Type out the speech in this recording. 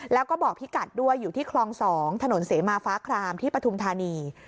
แล้วก็บอกพี่กัดด้วยอยู่ที่คลอง๒ถนนเสมาฟ้าครามที่ปฐุมธานี